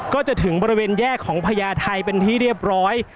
ก็จะถึงบริเวณแยกของพญาไทยเป็นที่เรียบร้อย